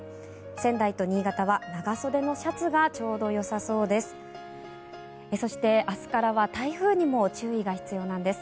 仙台と新潟は長袖のシャツがちょうどよさそうです。